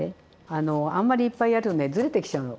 あのあんまりいっぱいやるとねずれてきちゃうの。